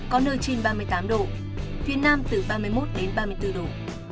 có nơi trên ba mươi bảy độ